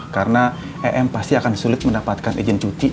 karena em pasti akan sulit mendapatkan izin cuti